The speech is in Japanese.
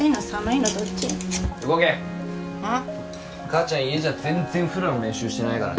母ちゃん家じゃ全然フラの練習してないからね。